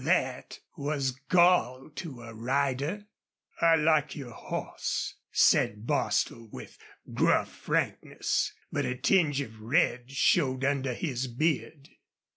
That was gall to a rider. "I like your hoss," said Bostil, with gruff frankness. But a tinge of red showed under his beard.